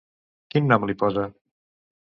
Quin nom li posa?